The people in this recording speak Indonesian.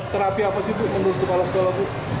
terapi apa sih untuk kepala sekolah ibu